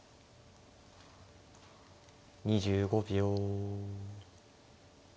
２５秒。